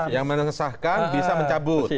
yang mengesahkan bisa mencabut